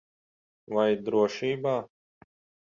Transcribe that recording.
Vai drošībā?